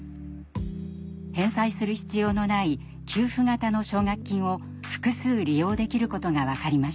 返済する必要のない給付型の奨学金を複数利用できることが分かりました。